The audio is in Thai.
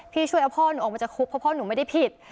ช่วยเอาพ่อหนูออกมาจากคุกเพราะพ่อหนูไม่ได้ผิด